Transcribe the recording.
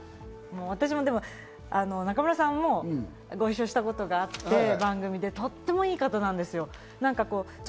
私も中村さんとご一緒した事があって、とってもいい方なんですよ。